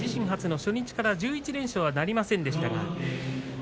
初の初日からの１１連勝なりませんでした。